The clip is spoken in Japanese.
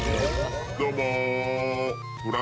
どうも。